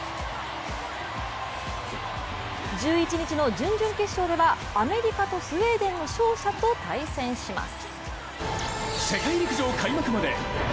１１日の準々決勝ではアメリカとスウェーデンの勝者と対戦します。